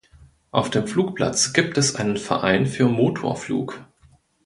Auf dem Flugplatz gibt es einen Verein für Motorflug.